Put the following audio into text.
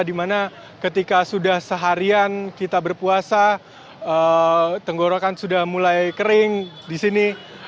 dimana ketika sudah seharian kita berpuasa tenggorokan sudah mulai kering di sini